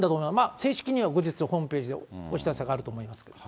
正式には後日、ホームページでお知らせがあると思います。